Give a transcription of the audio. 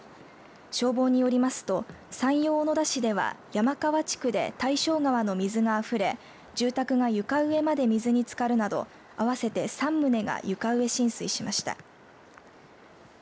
消防によりますと山陽小野田市では山川地区で大正川の水があふれ住宅が床上まで水につかるなど合わせて３棟が床上浸水しました。